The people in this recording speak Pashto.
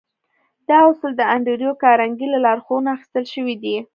دا اصول د انډريو کارنګي له لارښوونو اخيستل شوي دي.